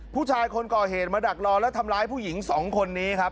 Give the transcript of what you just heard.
ผู้ชายคนก่อเหตุมาดักรอแล้วทำร้ายผู้หญิงสองคนนี้ครับ